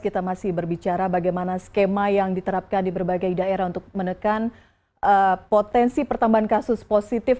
kita masih berbicara bagaimana skema yang diterapkan di berbagai daerah untuk menekan potensi pertambahan kasus positif